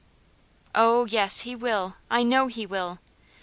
"Oh, yes, he will, I know he will.